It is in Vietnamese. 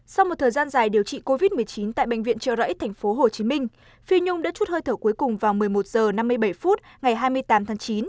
sau một thời gian dài điều trị covid một mươi chín tại bệnh viện trợ rẫy tp hcm phi nhung đã chút hơi thở cuối cùng vào một mươi một h năm mươi bảy phút ngày hai mươi tám tháng chín